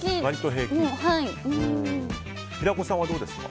平子さんは、どうですか。